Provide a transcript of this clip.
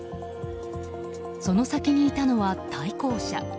その先にいたのは対向車。